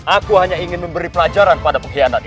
aku hanya ingin memberi pelajaran pada pengkhianat ini